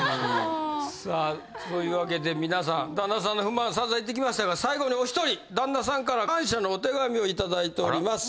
さあという訳で皆さん旦那さんの不満散々言ってきましたが最後にお１人旦那さんから感謝のお手紙を頂いております。